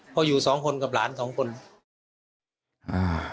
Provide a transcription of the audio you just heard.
พ่ออยู่สองคนกับหลานสองคน